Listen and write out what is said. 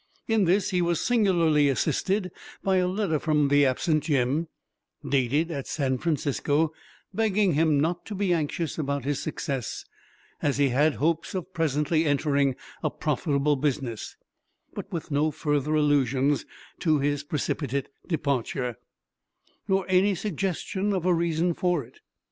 In this he was singularly assisted by a letter from the absent Jim, dated at San Francisco, begging him not to be anxious about his success, as he had hopes of presently entering a profitable business, but with no further allusions to his precipitate departure, nor any suggestion of a reason for it.